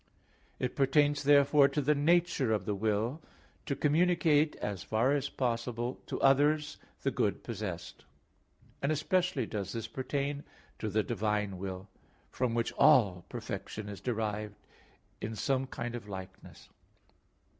It pertains, therefore, to the nature of the will to communicate as far as possible to others the good possessed; and especially does this pertain to the divine will, from which all perfection is derived in some kind of likeness.